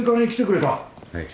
はい。